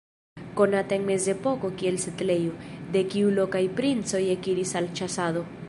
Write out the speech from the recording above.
Konata en mezepoko kiel setlejo, de kiu lokaj princoj ekiris al ĉasado.